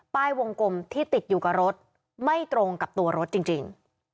วงกลมที่ติดอยู่กับรถไม่ตรงกับตัวรถจริง